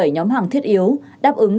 một mươi bảy nhóm hàng thiết yếu đáp ứng